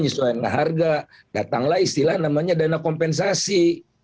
sekaranglah istilah namanya dana kompensasi